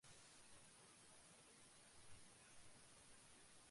কিন্তু প্রকৃতি পরিণামী এবং আত্মাগুলিও পরিণামী।